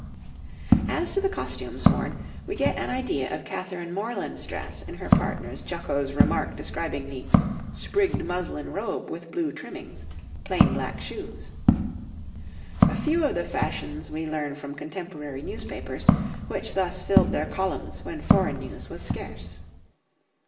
As to the costumes worn, we get an idea of Catherine Morland's dress in her partner's jocose remark describing the "sprigged muslin robe with blue trimmings—plain black shoes." A few of the fashions we learn from contemporary newspapers, which thus filled their columns when foreign news was scarce.